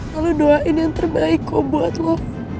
kalau doain yang terbaik kok buat lo